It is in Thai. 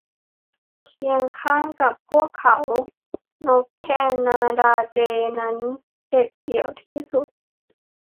เคียงข้างกับพวกเขา นกแคนาดาเจย์นั้นเด็ดเดี่ยวที่สุด